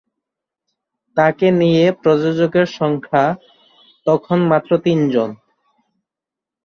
তাঁকে নিয়ে প্রযোজকের সংখ্যা তখন মাত্র তিনজন।